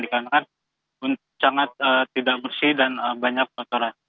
dikarenakan sangat tidak bersih dan banyak kotoran